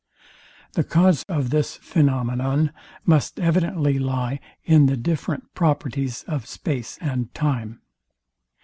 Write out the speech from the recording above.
The cause of this phænomenon must evidently lie in the different properties of space and time.